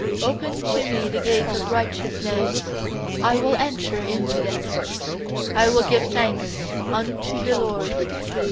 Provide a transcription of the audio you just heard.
190pen to me the gates of righteous I will enter into them, I will give thanks unto the LORD.